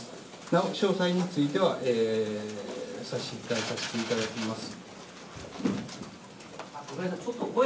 なお詳細については差し控えさせていただきます。